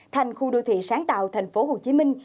thành khu đô thị sáng tạo thành phố hồ chí minh